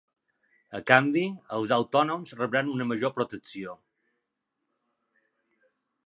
A canvi, els autònoms rebran una major protecció.